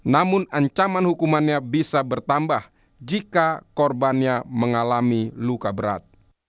namun ancaman hukumannya bisa bertambah jika korbannya mengalami luka berat